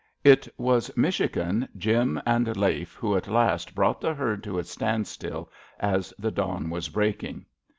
It was Michigan, Jim and Lafe who at last brought the herd to a standstill as the dawn was breaking.